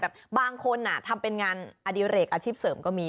บางคนทำเป็นงานอดิเรกอาชีพเสริมก็มี